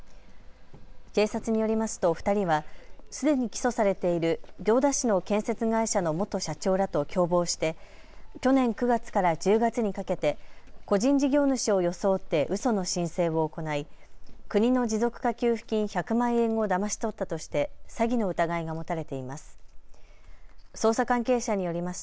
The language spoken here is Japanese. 警察によりますと２人はすでに起訴されている行田市の建設会社の元社長らと共謀して去年９月から１０月にかけて個人事業主を装ってうその申請を行い国の持続化給付金１００万円をだまし取ったとして詐欺の疑いが持たれています。